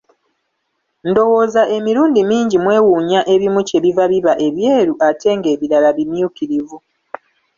Ndowooza emirundi mingi mwewuunya ebimu kyebiva biba ebyeru ate ng'ebirala bimyukirivu.